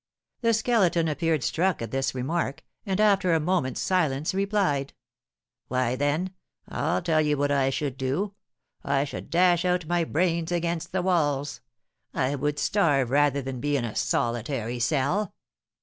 The Skeleton appeared struck at this remark, and, after a moment's silence, replied: "Why, then, I'll tell you what I should do, I should dash out my brains against the walls. I would starve rather than be in a solitary cell.